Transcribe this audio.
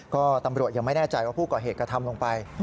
ก็ตำรวจยังไม่แน่ใจว่าผู้ก่อเหตุกระทำลงไป